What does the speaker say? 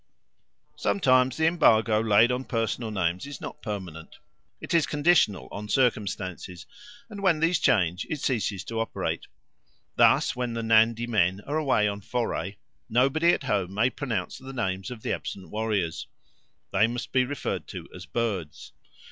Sometimes the embargo laid on personal names is not permanent; it is conditional on circumstances, and when these change it ceases to operate. Thus when the Nandi men are away on a foray, nobody at home may pronounce the names of the absent warriors; they must be referred to as birds.